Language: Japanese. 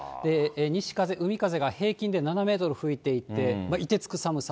西風、海風が平均で７メートル吹いていて、凍てつく寒さ。